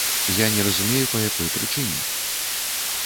Я не разумею, па якой прычыне.